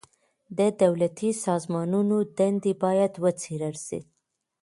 د دولتي سازمانونو دندي بايد وڅېړل سي.